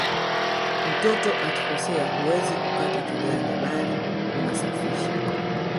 Mtoto akikosea huwezi kukata kiganja bali unasafisha